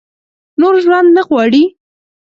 نور ژوند نه غواړي ؟